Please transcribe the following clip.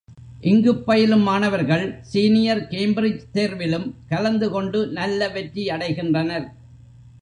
இங்குப் பயிலும் மாணவர்கள் senior Cambridge தேர்விலும் கலந்துகொண்டு நல்ல வெற்றியடைகின்றனர்.